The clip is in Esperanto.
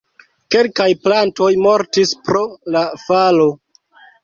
Kelkaj plantoj mortis pro la falo.